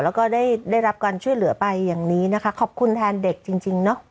แล้วก็ได้ได้รับการช่วยเหลือไปอย่างนี้นะคะขอบคุณแทนเด็กจริงเนอะ